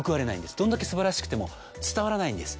どんだけ素晴らしくても伝わらないんです。